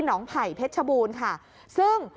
งไผ่เพชรชบูรณ์ค่ะซึ่ง